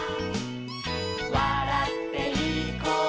「わらっていこう」